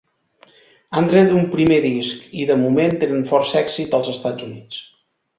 Han tret un primer disc, i de moment tenen força èxit als Estats Units.